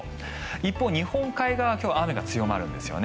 一方、日本海側は今日は雨が強まるんですよね。